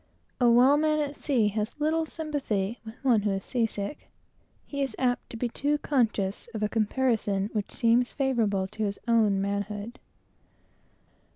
A well man at sea has little sympathy with one who is seasick; he is too apt to be conscious of a comparison favorable to his own manhood.